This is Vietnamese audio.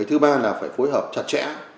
thứ ba là phải phối hợp chặt chẽ